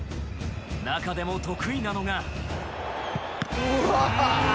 中でも得意なのが。